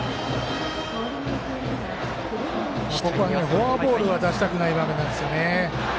フォアボールは出したくない場面ですね。